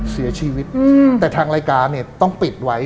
เสียชีวิตแต่ทางรายการเนี่ยต้องปิดไว้